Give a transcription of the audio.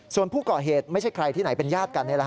ส่วนผู้ก่อเหตุไม่ใช่ใครที่ไหนเป็นญาติกัน